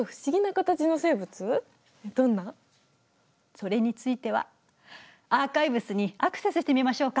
それについてはアーカイブスにアクセスしてみましょうか。